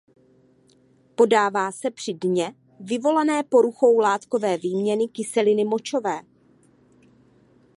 Podává se při dně vyvolané poruchou látkové výměny kyseliny močové.